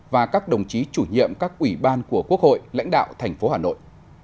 và các đồng chí chủ nhiệm các ủy ban của quốc hội lãnh đạo thành phố hà nội